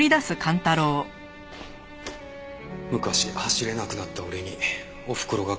昔走れなくなった俺におふくろがこれをくれた。